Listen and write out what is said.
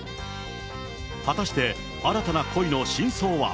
果たして、新たな恋の真相は。